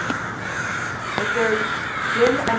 Messr. Ginn and Co.